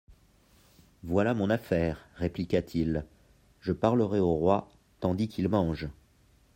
Voilà mon affaire, répliqua-t-il, je parlerai au roi tandis qu'il mange.